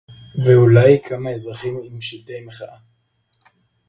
ואולי כמה אזרחים עם שלטי מחאה